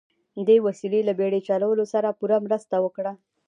دې وسیلې له بیړۍ چلولو سره پوره مرسته وکړه.